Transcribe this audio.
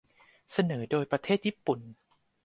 เสนอโดยประเทศญี่ปุ่น